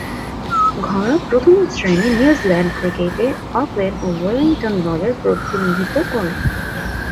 ঘরোয়া প্রথম-শ্রেণীর নিউজিল্যান্ডীয় ক্রিকেটে অকল্যান্ড ও ওয়েলিংটন দলের প্রতিনিধিত্ব করেন।